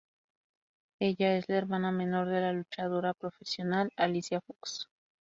Ella es la hermana menor de la luchadora profesional Alicia Fox.